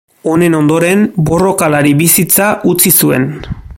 Honen ondoren borrokalari bizitza utzi zuen.